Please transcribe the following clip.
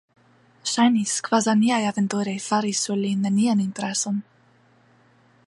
Ŝajnis, kvazaŭ niaj aventuroj faris sur lin nenian impreson.